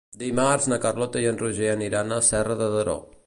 Dimarts na Carlota i en Roger aniran a Serra de Daró.